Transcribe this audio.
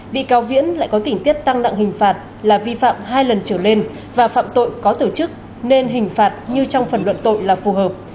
bị cáo viễn lại có tỉnh tiết tăng nặng hình phạt là vi phạm hai lần trở lên và phạm tội có tổ chức nên hình phạt như trong phần luận tội là phù hợp